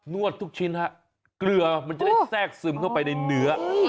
วดทุกชิ้นฮะเกลือมันจะได้แทรกซึมเข้าไปในเนื้อ